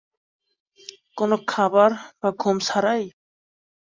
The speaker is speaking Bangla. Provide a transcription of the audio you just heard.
কোনো খাবার বা ঘুম ছাড়াই?